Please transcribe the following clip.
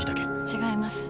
違います。